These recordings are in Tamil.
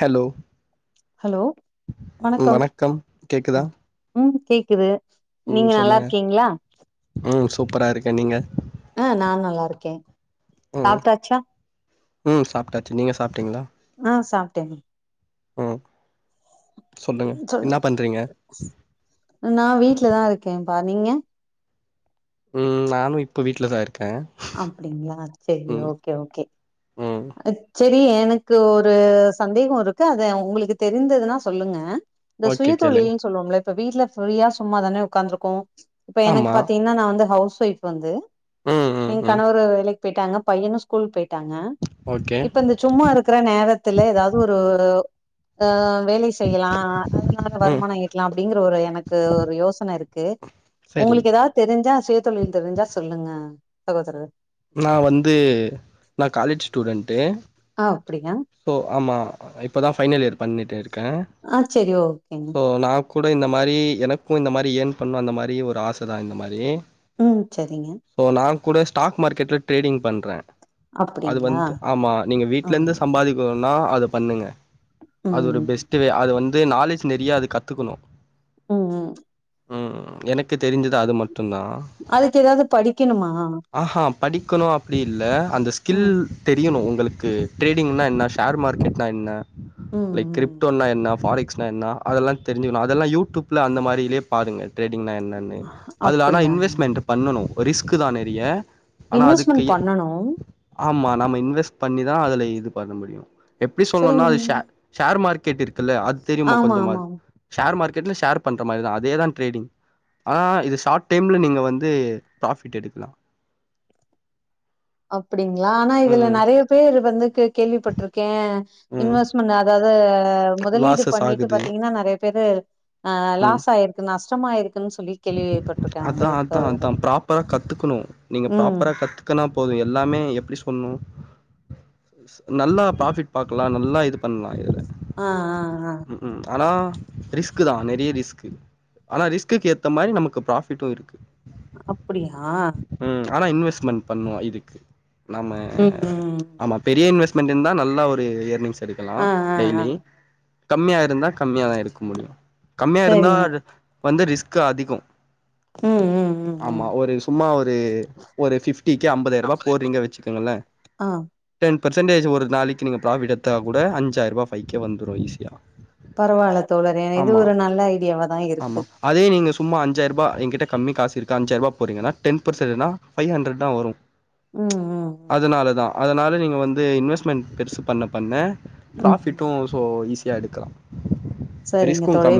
ஹலோ ஹலோ வணக்கம் கேக்குதா ம் ம் கேக்குது ம் நீங்க நல்லா சொல்லுங்க இருக்கீங்களா ம் சூப்பரா இருக்கே நீங்க ஆ நா நல்லாருக்கே ம் சாப்ட்டாச்சா ம் சாப்ட்டாச்சு நீங்க சாப்டீங்களா ஆ சாப்ட்டே ம் சொல்லுங்க சொல் இன்னா பண்றீங்க நா வீட்லதா இருக்கே பா நீங்க ம் நானு இப்ப வீட்லதா இருக்கே அப்டிங்களா செரி ம் ஓகே ஓகே ம் செரி எனக்கு ஒரு சந்தேகோ இருக்கு அத உங்குளுக்கு தெரிந்ததுனா சொல்லுங்க இந்த ஓகே கேளுங்க சுயதொழில்னு சொல்லுவோம்ல இப்ப வீட்ல ஃப்ரீயா சும்மாதானே உக்காந்துருகோ இப்ப எனக்கு ஆமா பாத்தீங்னா நா வந்து ஹவுஸ் வய்ஃப் வந்து ம் ம் ம் எங்கணவரு வேலைக் போய்ட்டாங்க பையனு ஸ்கூல் போய்ட்டாங்க ஓகே இப்ப இந்த சும்மா இருக்குற நேரத்துல ஏதாவ்து ஒரு ஒரு ஆ வேலை செய்யலா அதனால ம் வருமானோ ஈட்லா அப்டிங்கற ஒரு எனக்கு ஒரு யோசன இருக்கு சரி உங்களுக்கு எதா தெரிஞ்சா சுயதொழில் தெரிஞ்சா சொல்லுங்க சகோதரர் நா வந்து நா காலேஜ் ஸ்டூடெண்டு ஆ அப்டியா ஓ ஆமா இப்போ தா ஃபைனல் இயர் பண்ணிட்டு இருக்கே ஆ செரி ஓகேங் போ நா கூட இந்த மாரி எனக்கூ இந்த மாரி இயன் பண்ணு அந்த மாரி ஒரு ஆச தா இந்த மாரி ம் செரிங்க போ நா கூட ஸ்டாக் மார்க்கெட்ல ட்ரேடிங் பண்றே அது அப்டிங்களா வந்த்ட்டு ஆமா நீங்க ஆ வீட்லேந்து சம்பாதிக்கணுனா அது பண்ணுங்க ம் அது ஒரு பெஸ்ட் வே அது வந் து நாலேஜ் நெறிய அது கத்துக்குணோ ம் ம் ம் எனக்கு தெரிஞ்சது அது மட் அதுக்கு எதாது படிக்கிணுமா ஆஹா படிக்கணு அப்டி இல்ல அந்த ஸ்கில் ம் தெரியணு உங்களுக்கு ட்ரேடிங்னா என்ன ஷேர் மார்க்கெட்னா என்ன ம் ம் க்ரிப்டோனா என்ன ஃபார் எக்ஸ்னா என்ன அதல்லா தெரிஞ்சுகுணு அதல்லா யூடூப்ல அந்த மாரிலயே பாருங்க ட்ரேடிங்னா என்னனு அதுல ஆனா அப்டியா இன்வெஸ்மென்ட் பண்ணணு ரிஸ்கு தா நெறிய ஆனா அதுக்கு இன்வெஸ்ட்மெண்ட் எ பண்ணணு ஆமா நம்ம இன்வெஸ் பண்ணிதா அதுல இது பண்ண முடியு எப்டி சொல்ணுனா செரிங்க அது ஷ ஷேர் மார்க்கெட் இருக்குல்ல அது தெரியுமா ஆமா கொஞ்சாமாது ஆமா ஷேர் மார்கெட்ல ஷேர் பண்ற மாரிதா. அதேதா ட்ரேடிங்‌. ஆ இது ஷார்ட் டைம்ல நீங்க வந்து ப்ராஃபிட் எடுக்லா. அப்டிங்களா ஆனா இதுல ம் நறைய பேரு வந்து கே கேள்வி பட்ருக்கே ம் இன்வெஸ்ட்மெண்ட் அதாது முதலீடு லாசஸ் பண்ணிட்டு ஆகுது பாத்தீங்கன்னா நெறைய பேரு ஆ ம் லாஸ் ஆய்ருக்கு நஷ்டமாயிருக்குன்னு சொல்லி கேள்வி அதா அதா அதா ப்ராப்பரா கத்துக்கணு. நீங்க ம் ப்ராப்பரா கத்து க்கனா போது. எல்லாமே எப்டி சொல்னு நல்லா ப்ராஃபிட் பாக்லா. நல்லா இது பண்லா இதுல. ஆ ஆ ஆ அனா ரிஸ்க் தா. நெறைய ரிஸ்க். ஆனா ரிஸ்குக்கு ஏத்த மாரி நமக்கு ப்ராஃபி ஃபிட்டு இருக்கு அப்டியா ம் ஆனா இன்வெஸ்ட்மென்ட் பண்ணுவோ இதுக்கு நம்ம ம் ம் ஆமா பெரிய இன்வெஸ்மென்டுனா நல்லா ஒரு இயர்னிங்ஸ் எடுக்கலா ஆ ஆ ஆ டெய்லி கம்மியா இருந்தா கம்மியா தா எடுக்க முடியு கம்மியா இருந்தா சரிங்க வந்து ரிஸ்கு அதிகோ ம் ம் ம் ம் ஆமா ஒரு சும்மா ஒரு ஒரு ஃபிஃப்டி கே அம்பதாயிருபா போட்றீங்க வெச்சுக்கங்கல ஆ டென் பர்சன்டேஜ் ஒரு நாளைக்கு நீங்க ப்ராஃபிட் எடுத்தாகூட அஞ்சாயிருபா ஃபைவ் கே வந்துரு ஈஸியா பரவால்ல தோழரே இது ஆமா, ஒரு நல்ல ஐடியாவதா ஆமா. இருக்குது அதே நீங்க சும்மா அஞ்சாயிருபா எ கிட் ட கம்மி காசு இருக்கு அஞ்சாய்ருவா போட்றிங்கனா டென் பர்சன்டுனா ஃபைவ் ஹண்ட்ரட்தா வரு ம் ம் ம் அதனால தா அதனால நீங்க வந்து இன்வெஸ்மெண்ட் பெருசு பண்ண பண்ண ம் ப்ராஃபிட் டு ம் சோ ஈஸியா எடுக்கலா சரிங்க தோழே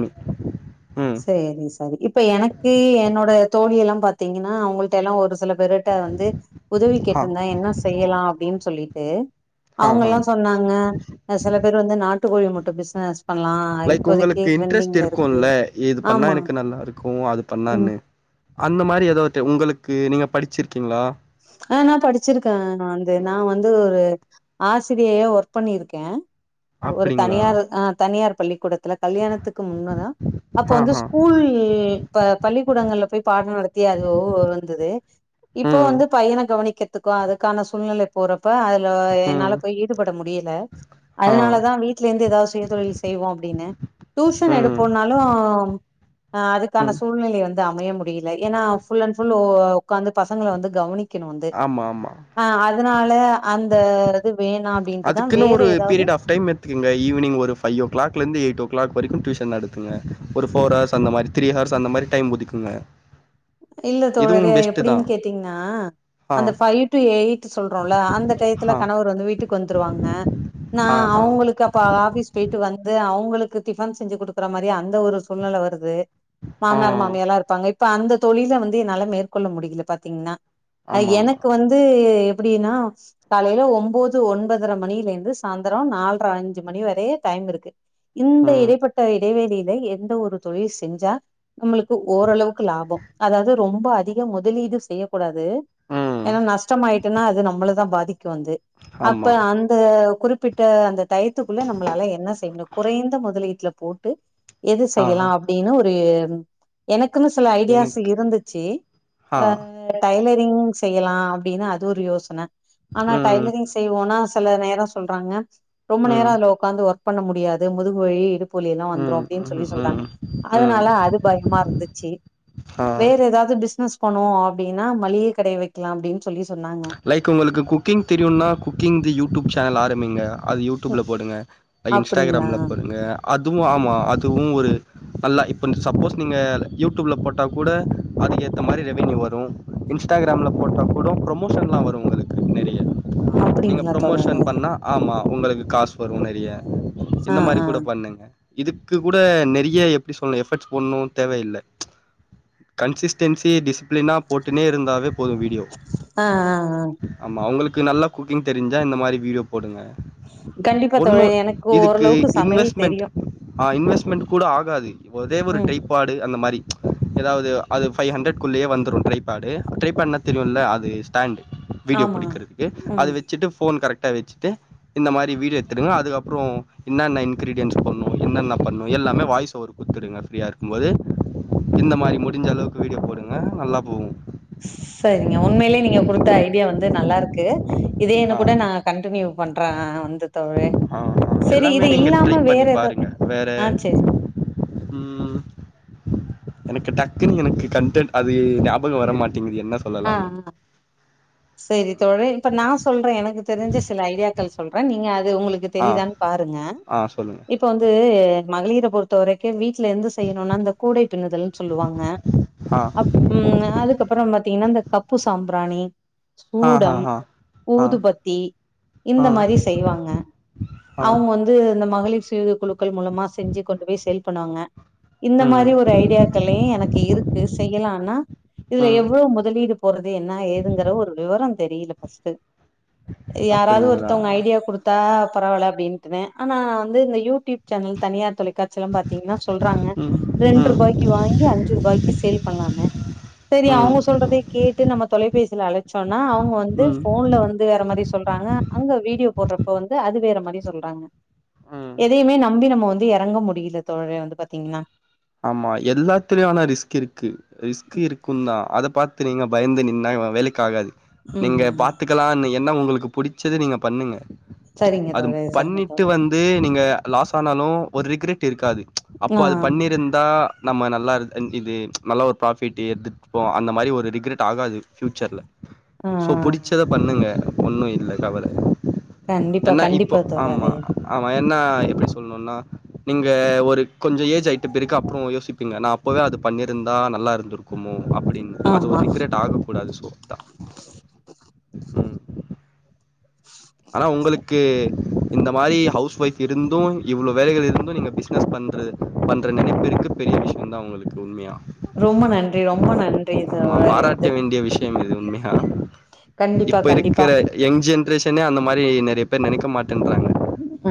ம் சேரி சரி இப்ப எனக் கு என்னோட தோழி எல்லா பாத்தீங்கன்னா அவுங்குள்டலா ஒரு சில வெரட்டா வந்து உதவி ஹா கேட்ருந்தா என்ன செய்யலா அப்டின் சொல்லிட்டு ஹா ஹா அவுங்கல்லா சொன்னாங்க சில பேர் வந்து நாட்டு கோழி முட்ட பிஸ்னஸ் பண்லா லைக் உங்களுக்கு இன்ட்ரெஸ்ட் இருக்குல்ல இது பண்ணா ஆமா எனக்கு நல்லாருக்கு அது ம் பண்ணான்னு அந்த மாரி எதாது உங்களுக்கு நீங்க படிச்சுருக்கிங்ளா ஆ நா படிச்சுருக்க ந வந்து நா வந்து ஒரு ஆசிரியையா ஒர்க் பண்ணிருக்கே ஒரு அப்டிங்களா தனியார் ஆ தனியார் பள்ளிக்கூடத்துல கல்யாணத்துக்கு முன்னதா அப்போ ஹா வந்து ஹா ஸ்கூல் ப பள்ளிக்கூடங்கள்ல போய் பாடோ நடத்தி அது ஓ வந்துது இப்போ ம் வந்து பையன கவனிக்கத்துக்கோ அதுக்கான சூழ்நிலை போறப்ப அதுக் ஆ ம் என்னால போய் ஈடுபட முடியல ஆ அதுனாலதா வீட்ல இருந்து எதாது சுய தொழில் செய்வோ அப்டினு டியூஷன் ம் எடுப்போன்னாலு ஆ அதுக்கான ம் சூழ்நிலை வந்து அமைய முடியில எனா ஃபுல் அன் ஃபுல் உக்காந்து பசங்கள வந்து கவனிக்கணு வந்து ஆமா ஆமா ஆ அதனால அந்த இது வேணா அப்டின்ட்டுதா அதுக்குன்னு வேற ஒரு ஏதாவது பீரியட் ஆப் டைம் எடு இங்க ஈவினிங் ஒரு ஃபை ஓ கிளாக்லேந்து எய்ட் ஓ கிளாக் வரைக்கு டியூஷன் நடத்துங்க ஒரு போர்ரார்ஸ் அந்த மாரி த்ரீ ஹார்ஸ் அந்தமாரி டைம் ஒதுக்குங்க இல்ல இதுவு தோழரே அது பெஸ்ட்டு தா எப்டின்னு கேட்டீங்கன்னா ஆ அந்த பைவ் டு எயிட் சொல்றோல்ல அந்த டயத்துல ஆ கணவர் வந்து வீட்டுக்கு வந்துருவாங்க நா ஆ ஆ அவுங்களுக்கு அப்ப ஆ ஆபிஸ் போயிட்டு வந்து அவுங்களுக்கு டிஃபன் செஞ்சு குடுக்குற மாரியே அந்த ஒரு சூழ்நில வருது ஆ மாமனார் மாமியல்லா இருப்பாங்க இப்ப அந்த தொழில வந்து என்னால மேற்கொள்ள முடியல பாத்தீங்கன்னா அ ஆமா ஆமா எனக்கு வந்து எப்டினா காலையில ஒம்போது ஒன்பதர மணியிலேந்து சாந்தர நால்ர அஞ்சு மணி வரய டைம் இருக்கு கே இந்த ம் இடைப்பட்ட இடைவேளில எந்த ஒரு தொழில் செஞ்சா நம்மளுக்கு ஓரளவுக்கு லாபோ அதாவ்து ரொம்ப அதிக முதலீடு செய்ய கூடாது ம் ஏன்னா நஷ்டமாயிட்டுனா அது நம்மளதா பாதிக்கு வந்து அப்ப ஆமா அந் அ குறிப்பிட்ட அந்த டயத்துக்குள்ள நம்மளால என்ன செய்ய முடியு குறைந்த முதலீட்ல போட்டு எது ஆ செய்யலா அப்டின்னு ஒரு எனக்குன்னு சில ஐடியாஸ் எனக்கு வந்துச்சு ஆ அ டைலரிங் செய்யலா அப்டின்னு அது ஒரு யோசன ஆனா ம் டைலரிங் செய்வோனா செல நேரோ சொல்றாங்க ரொம்ப நேரோ ம் அதுல ஒக்காந்து ஒர்க் பண்ண முடியாது முதுகு வழி இடுப் புவலி எல்லா வந்துரு ம் அப்டின்னு சொல்லி ம் சொல்றாங்க ம் ம் அதனால அது பயமா இருந்துச்சி ஆ வேறு எதாவது பிஸ்னஸ் பண்ணுவோ அப்டின்னா மளிக கடைய வெக்கலா அப்டின்னு சொல்லி சொன்னாங் லைக் உங்களுக்கு குக்கிங் தெரியுனா குக்கிங்தீ யூடியூப் சேனல் ஆரம்பிங்க அது யூ டியூப்ல போடுங்க அப்டிங்களா இன்ஸ்டாகிராம்ல போடுங்க அதுவு ஆமா அதுவு ஒரு நல்லா இப்போ சப்போஸ் நீங்க யூடியூப்ல போட்டா கூட அதுக்கு ஏத்த மாரி ரெவன்யூ வரு இன்ஸ்டாகிராம்ல போட்ட கூட ப்ரம் ப்ரமோஷன்லா வரு உங்களுக்கு நெறைய நீங்க அப்டிங்களா ப்ரமோஷன் தோழரே பண்ணா ஆமா உங்களுக்கு காசு வரு நெறைய ஆ இந்த மாரி ஆ கூட பண்ணுங்க இதுக்கு கூட நெறைய எப்டி சொல்ணு எஃபட்ஸ் போடணு தேவயில்ல கன்சிஸ்டென்சி டிசிப்ளினா போட்டுன்னே இருந்தாவே போது ஆ ஆ ஆ ஆமா உங்களுக்கு நல்லா குக்கிங் தெரிஞ்சா இந்த மாரி வீடியோ போடுங்க கண்டிப்பா ஒண்ணு தோழி எனக்கு இதுக்கு ஓரளவுக்கு சமையல் இன்வெஸ்மெண்ட் தெரியு ஆ இன்வெஸ்மெண்ட் கூட ஆகாது ஒரே ஒரு ம் டைப் பாடு அந்த மாரி ஏதாவது அது ஃபை ஹண்டரட் குள்ளேயே வந்துரும் ட்ரைபாடு ட்ரை பாட்ன்னா தெரியும்ல அது ஸ்டாண்டு வீடியோ ஆமா புடிக்கிறதுக்கு அத ம் வச்சுட்டு ஃபோன் கரெக்டா வச்சுட்டு இந்த மாரி வீடியோ எடுத்துடுங்க அதுக்கப்பறோ என்னன்ன இன்கிரீடியன்ஸ் போண்ணும் என்னென்ன பண்ணும் எல்லாமே வாய்ஸ் ஓவர் குத்துடுங்க ஃப்ரீயா இருக்கும்போது இந்த மாரி முடிஞ்ச அளவுக்கு வீடியோ போடுங்க நல்லா போகும் செரிங்க உண்மையிலே நீங்க கொடுத்த ஐடியா வந்து நல்லா இருக்கு இதேன்னு கூட ஆ நா கன்ட்டினியூ பண்ற அ அ வந்து தோழரே ஆ ஆ எல்லாமே நீங்க ட்ரை பண்ணி ஏதோ பாருங்க வேற ஆ செரி ம் எனக்கு டக்குன்னு எனக்கு கண்டன்ட் அது ஞாபகம் வர மாட்டிங்குது என்ன ஆ சொல்லலாம்னு ஆ சேரி தோழே இப்ப நான் சொல்றேன் எனக்கு தெரிஞ்ச சில ஐடியாக்கள் சொல்றேன் நீங்க அது உங்களு க்கு ஆ தெரிதான்னு பாருங்க ஆ சொல்லுங்க இப் ப வந்து மகளிர பொறுத்த வரைக்கும் வீட்ல எந்த செய்யணும்னா இந்த கூடை பின்னுதல் சொல்லுவாங்க ஆ அப் ம் அதுக்கப்புறம் பாத்தீங்ன்னா இந்த கப்பு சாம்பிராணி ஆ ஆ சூடம் ஆ ஆ ஊதுபத்தி இந்த ஆ மாரி செய்வாங்க ஆ இது இந்த மகளிர் சுய குழுக்கள் மூலமா செஞ்சு கொண்டு போய் சேல் பண்ணாங்க இந்த ம் மாரி ஒரு ஐடியா கலே எனக்கு இருக்கு செய்யலான்னா இதுல ம் எவ்ளோ மொத் முதலீடு போறது என்ன ஏதுங்கற ஒரு விவரம் தெரியில ஃபஸ்ட்டு யாராவது அப்படிங்களா ஒருத்தவங்க ஐடியா குடுத் தா பரவால அப்டின்ட்டு தான் ஆனா வந்து இந்த யூடியூப் சேனல் தனியார் தொலைக்காட் ச்சில பாத்தீங்ன்னா சொல்றாங்க ம் ம் ரெண்ரூபாய்க்கு வாங்கி அஞ்ரூபாய் க்கி சேல் பண்ணலான்னு சேரி ம் அவுங்க சொல்ற த கேட்டு நம்ம தொலைபேசியில அழைச்சோம்னா அவுங்க வந்து ம் போன்ல வந்து வேற மாறி சொல்றாங்க அங்க வீடியோ போறப்போ வந்து அது வேற மாறி சொல்றாங்க ம் எதையுமே நம்பி நம்ம வந்து இறங்க முடில தோழரே வந்து பாத்தீங்கன்னா ஆமா எல்லாத்தலயும் ஆனா ரிஸ்க் இருக்கு ரிஸ்கு இருக்குந்தான் அத பாத்து நீங்க பயந்து நின்னா வே வேலைக்கு ஆகாது ம் நீங்க ம் பாத்துக்கலான்னு என்ன உங்களுக்கு புடிச்சது நீங்க பண்ணுங்க சரிங்க அது தோழரே சரிங்க பண்ணிட்டு தோழரே வந்து நீங்க லாஸ் ஆனாலும் ஒரு ரிக்ரெட் இருக்காது அப்போ ஆ அது ஆமா பண்ணிருந் தா நம்ம நல்லா இரு இ இது நல்லா ஒரு ப்ராபிட்டு எடுத்துட்டுப்போ அந்த மாரி ஒரு ரிக்ரெட் ஆகாது ஃப்யூச்சர்ல ஆ சோ புடிச்சத பண்ணுங்க ஒண்ணு இல்ல கவல கண்டிப்பா என்னா இப்போ கண்டிப்பா ஆமா தோழரே அவன் என்ன எப்படி சொல்ணும்னா நீங்க ஒரு கொஞ்சோ ஏஜ் ஆய்ட்ட பிற அப்றோம் யோசிப்பீங்க நான் அப்பவே அது பண்ணியிருந்தா நல்லா இருந்திருக்கும்மோ அப்டின்னு அது ஒரு ஆமா ரிக்ரெட் ஆக கூடாது சோ ஆனா உங்களுக்கு இந்த மாரி ஹவுஸ் ஒய்ஃப் இருந்தும் இவ்ளோ வேலைகள் இருந்தும் நீங்கள் பிஸ்னஸ் பண்றது பண்ற நினைப்பு இருக்கு பெரிய விஷ்யம் தான் உங்களுக்கு உண்மையா ரொம்ப நன்றி ரொம்ப நன்றி ஆமா. சகோதரே வந்து பாராட்ட வேண்டிய விஷயம் இது உண்மையா. கண்டிப்பா இப்ப கண்டிப்பா இருக்கிற யங் ஜென்ரேஷனே அந்த மாரி நிறைய பேர் நினைக்க மாட்டேன்குறாங்க அ அ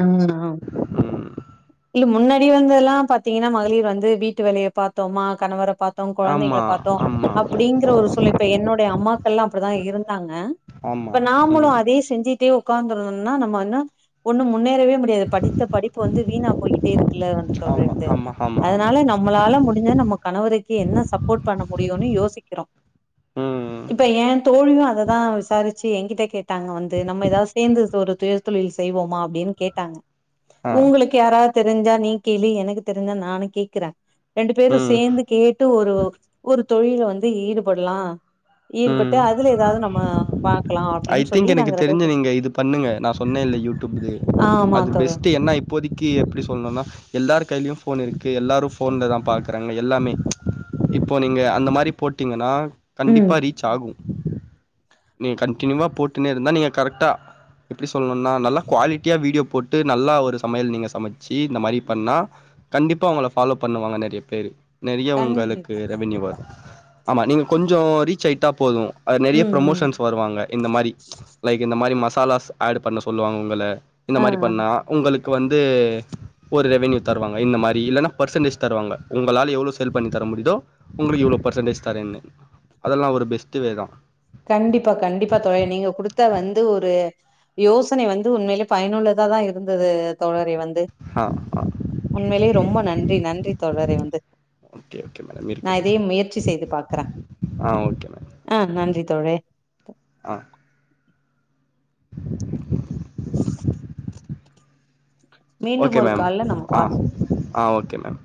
இல்ல முன்னாடி வந்தெல்லாம் பார்த்தீங்கன்னா மகளிர் வந்து வீட்டு வேலைய பாத்தோமா கணவர பாத் தோம் குழந்தைகளை ஆமா, பார்த்தோம் ஆமா, அப்டிங்கிற ஒரு சூழ் இப்ப என்னுடைய அம்மாக்கள்ல்லாம் அப்டிதான் இருந்தாங்க ஆமா ம் செஞ்சிட்டே உட்காந்துருந்தோனா நம்ம வந்து ஒண்ணும் முன்னேரவே மு டியாது படித்த படிப்பு வந்து வீணா போய்கிட்டே இருக்குல்ல வந்து தோழரே ஆமா வந்து ஆமா ஆமா ஆமா அதனால நம்மளால முடிஞ்சத நம்ம கணவருக்கு என்ன சப்போர்ட் பண்ண முடியுனு யோசிக்கிறோ ம் இப்ப எ தோழியு அததா விசாரிச்சு என்கிட்ட கே டாங்க வந்து நம்ம ஏதாவது சேந்து ஒரு சுய தொழில் செய்வோமா அப்டின்னு கேட்டாங்க ஆ உங்களுக் கு யாரா தெரிஞ்சா நீ கேளு எனக்கு தெரிஞ்சா நானு கேக்குற ரெண்டு பேரு ம் சேந்து கேட்டு ஒரு ஒரு தொழில்ல வந்து ஈடுபட்லா ம் ஈடுபட்டு அதுல ஏதாவது நம்ம பாக்கலா ஐ அப்டின்னு சொல்லி திங்க் எனக்கு நாங்க ரெண்டு தெரிஞ்சு பேசி நீங்க இது பண்ணுங்க நா சொன்னே இல்ல யூடியூப் ஆமா அது தோழா பெஸ்ட்டு என்ன இ இப்போதிக்கி எப்டி சொல்ணுனா எல்லார் கையிலயு ஃபோன் இருக்கு எல்லாரு ம் ஃபோன்ல தா பா பார்க க்றாங்க எல்லாமே இப்போ நீங்க அந்த மாரி போட்டீங்கனா கண்டிப் ம் ரீச் ஆகு, நீங்க கண்டினியூவா போட்டுனே இருந்தா நீங்க கரெக்டா எப்டி சொல்ணுனா நல்லா குவாலிட்டியா வீடியோ போட்டு நல்லா ஒரு சமையல் நீங்க சமைச்சு இந்த மாரி பண்ணா கண்டிப்பா உங்கள ஃபாலோ பண்ணுவாங்க நெறைய பேரு நெறைய உங்களுக்கு கண்டிப்பா ரெவ்ன்யூ கண்டிப்பா வரு ஆமா நீங்க கொஞ்சோ ரீச் ஆயிட்டா போது அது நெறைய ம் ம் ப்ரோமோஷன்ஸ் வருவாங்க இந்த மாரி லைக் இந்த மாரி மசாலாஸ் ஆட் பண்ண சொல்லுவாங்க உங்கள இந்த ஆ மாரி ஆ பண்ணா உங்களுக்கு வந்து ஒரு ரெவ்ன்யூ தருவாங்க இந்த மாரி இல்லன்னா பர்சன்டேஜ் தருவாங்க உங்களால எவ்ளோ சேல் பண்ணி தர முடியுதோ உங்களுக்கு இவ்ளோ பர்சன்டேஜ் தரேன்னு அதெல்லா ஒரு பெஸ்ட்டு வே தா கண்டிப்பா கண்டிப்பா தோழரே நீங்க குடுத்த வந்து ஒரு யோசனை வந்து உண்மைலே பயனுள்ளதாதா இருந்துது தோழரே வந்து ஆ ஆ உண்மைலே ரொம்ப நன்றி நன்றி தோழரே வந்து ஓகே ஓகே மேடம் நா இருக்கட்டும் இதையு முயற்சி செய்து பாக்குற ஆ ஓகே மேம் ஆ நன்றி தோழரே ஆ மீண்டும் ஓகே ஒரு மேம் கால்ல நம்ம வா ஆ ஆ ஓகே மேம்.